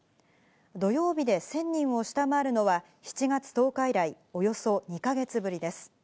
土曜日で１０００人を下回るのは、７月１０日以来、およそ２か月ぶりです。